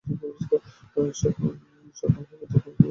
কখন সকাল হবে, নতুন জামা পরে বের হব—এ নিয়ে ছিল চিন্তা।